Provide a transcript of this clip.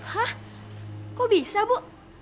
hah kok bisa bu